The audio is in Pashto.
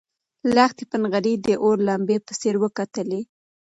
لښتې په نغري کې د اور لمبې په ځیر وکتلې.